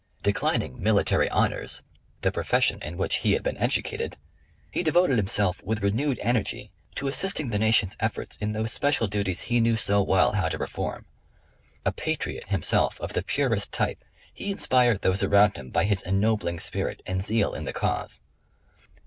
Declining military honors, the profession in which he had been educated, he devoted himself with renewed energy to assisting the nation's efforts in those special duties he knew so well how to perform. A patriot himself of the purest type, he inspired those around him by his ennobling spirit and zeal in the cause.